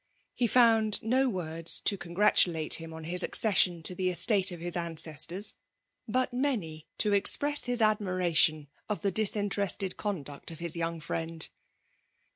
He found no words to congratulate him on his accession to the estate of his ances tors ; but many to express his admiration of the disinterested conduct of his young friend.